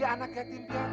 dia anak yatim piatu ma